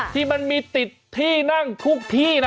ที่มันมีติดที่นั่งทุกที่นะ